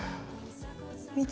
見て。